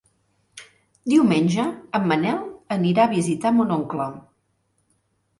Diumenge en Manel anirà a visitar mon oncle.